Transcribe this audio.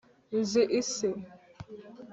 nzi isi